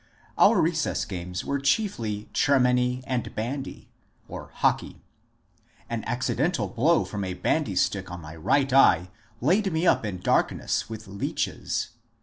Our recess games were chiefly chermany and bandy (" hockey "). An accidental blow from a bandystick on my right eye laid me up in dark ness, with leeches.